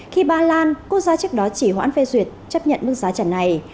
khi ba lan quốc gia trước đó chỉ hoãn phê duyệt chấp nhận mức giá trần này